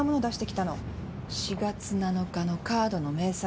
４月７日のカードの明細。